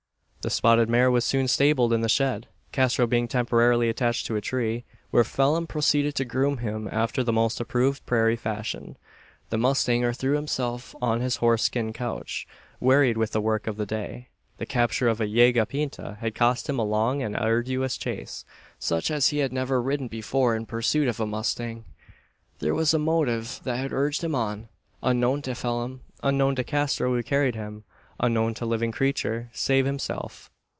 The spotted mare was soon stabled in the shed, Castro being temporarily attached to a tree; where Phelim proceeded to groom him after the most approved prairie fashion. The mustanger threw himself on his horse skin couch, wearied with the work of the day. The capture of the "yegua pinta" had cost him a long and arduous chase such as he had never ridden before in pursuit of a mustang. There was a motive that had urged him on, unknown to Phelim unknown to Castro who carried him unknown to living creature, save himself.